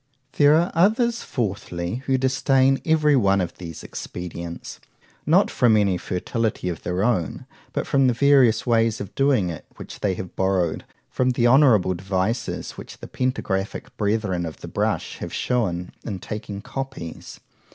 There are others, fourthly, who disdain every one of these expedients;—not from any fertility of their own, but from the various ways of doing it, which they have borrowed from the honourable devices which the Pentagraphic Brethren of the brush have shewn in taking copies.